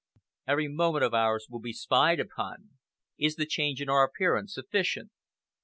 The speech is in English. Every moment of ours will be spied upon. Is the change in our appearance sufficient?"